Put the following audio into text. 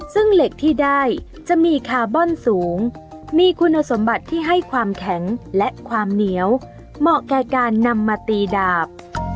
ซึ่งเหล็กที่ได้จะมีคาร์บอนสูงมีคุณสมบัติที่ให้ความแข็งและความเหนียวเหมาะแก่การนำมาตีดาบ